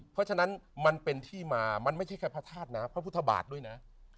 เพราะฉะนั้นมันเป็นที่มามันไม่ใช่แค่พระธาตุนะพระพุทธบาทด้วยนะ